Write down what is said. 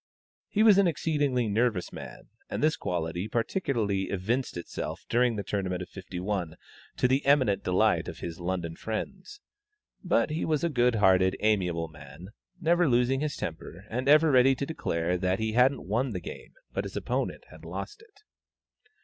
He was an exceedingly nervous man, and this quality particularly evinced itself during the Tournament of '51, to the eminent delight of his London friends. But he was a good hearted, amiable man, never losing his temper, and ever ready to declare that he hadn't won the game, but his opponent had lost it.